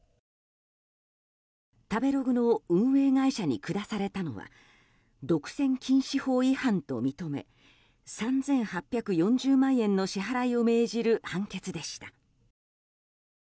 食べログの運営会社に下されたのは独占禁止法違反と認め３８４０万円の支払いを命じる判決でした。